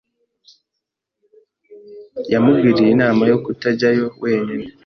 Yamugiriye inama yo kutajyayo wenyine.